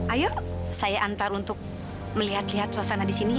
ayo saya antar untuk melihat lihat suasana di sini